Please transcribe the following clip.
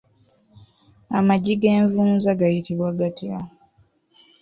Amagi g'envunza gayitibwa gatya?